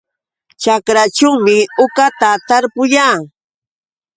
Ćhakraćhuumi uqata tarpuyaa.